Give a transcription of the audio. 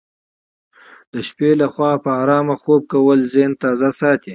د شپې لخوا په ارامه خوب کول ذهن تازه ساتي.